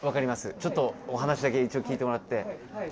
ちょっとお話だけ一応聞いてもらって。